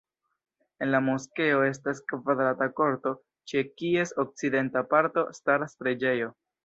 En la moskeo estas kvadrata korto, ĉe kies okcidenta parto staras preĝejo.